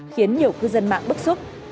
khiến nhiều cư dân mạng bức xúc